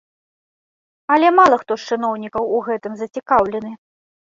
Але мала хто з чыноўнікаў у гэтым зацікаўлены.